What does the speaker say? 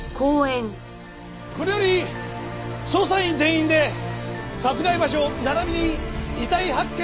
これより捜査員全員で殺害場所並びに遺体発見